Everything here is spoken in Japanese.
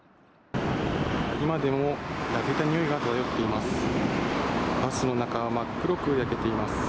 今でも焼けた臭いが漂っています。